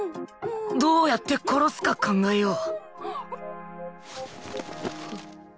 どうやって殺すか考えよう